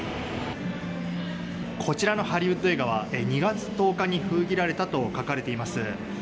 こちらのハリウッド映画は２月１０日に封切られたと書かれています。